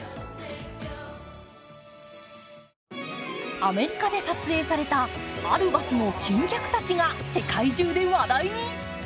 アメリカで撮影されたあるバスの珍客たちが世界中で話題に。